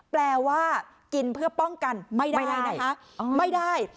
แปลว่ากินเพื่อป้องกันไม่ได้นะคะไม่ได้